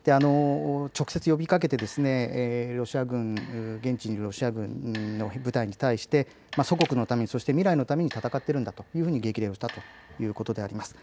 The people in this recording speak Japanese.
直接呼びかけて現地にいるロシア軍の部隊に対して祖国のため、そして未来のために戦っているんだというふうに激励をしたということであります。